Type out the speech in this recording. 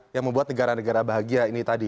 yang membuat negara negara bahagia ini tadi